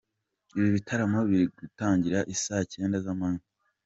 Ibi bitaramo biri gutangira i saa cyenda z’amanywa.